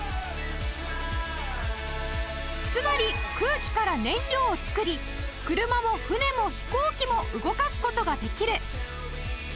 つまり空気から燃料を作り車も船も飛行機も動かす事ができる